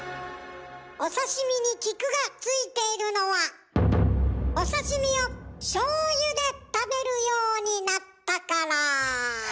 お刺身に菊がついているのはお刺身をしょうゆで食べるようになったから。